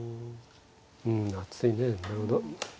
うん厚いねなるほど。